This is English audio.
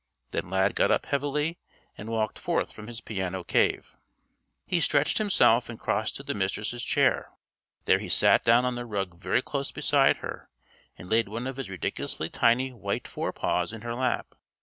Then Lad got up heavily and walked forth from his piano cave. He stretched himself and crossed to the Mistress' chair. There he sat down on the rug very close beside her and laid one of his ridiculously tiny white fore paws in her lap.